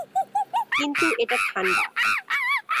কিন্তু এটা ঠান্ডা।